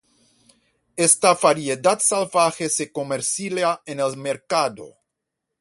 Esta variedad salvaje se comercializa en el mercado.